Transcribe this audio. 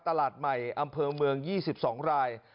ตลาดใหม่อำเภอเมือง๒๒ราย